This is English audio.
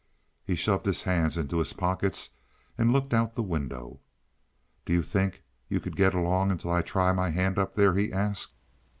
He shoved his hands into his pockets and looked out the window. "Do you think you could get along until I try my hand up there?" he asked.